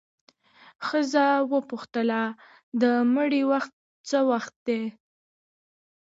ښځه وپوښتله د مړي وخت څه وخت دی؟